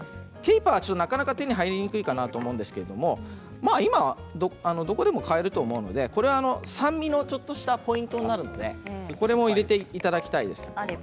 なかなか手に入りにくいかなと思うんですけれども今はどこでも買えると思うので酸味のちょっとしたポイントになるのでこれも入れていただきたいです。